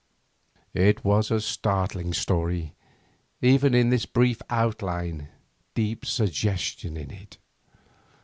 It was a startling story, even in this brief outline, deep suggestion in it.